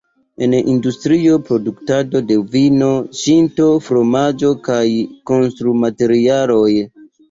En industrio, produktado de vino, ŝinko, fromaĝo, kaj konstrumaterialoj.